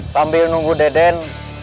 sambil nunggu deden